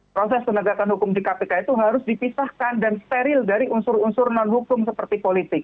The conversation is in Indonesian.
proses penegakan hukum di kpk itu harus dipisahkan dan steril dari unsur unsur non hukum seperti politik